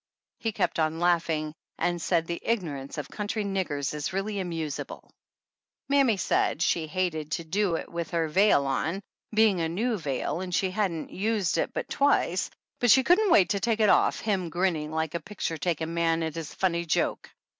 He kept on laugh ing and said the "ignorance of country niggers is really amusable." Mammy said she hated to do it with her veil 100 THE ANNALS OF ANN on, being a new veil and she hadn't used it but twice, but she couldn't wait to take it off, him grinning like a picture taking man at his funny joke.